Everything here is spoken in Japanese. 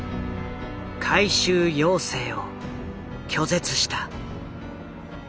回収要請を拒絶した。